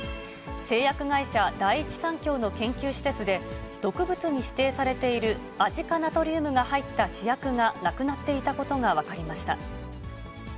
製薬会社、第一三共の研究施設で、毒物に指定されているアジ化ナトリウムが入った試薬がなくなっていたことが分かりました。